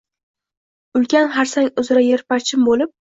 Ulkan xarsang uzra yerparchin bo’lib